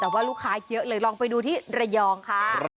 แต่ว่าลูกค้าเยอะเลยลองไปดูที่ระยองค่ะ